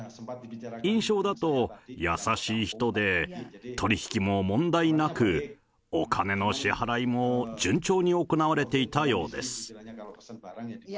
印象だと優しい人で取り引きも問題なく、お金の支払いも順調に行われていたようです。